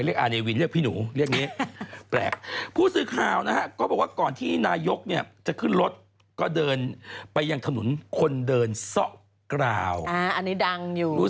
เออว่าทำไมเรียกอานเวียน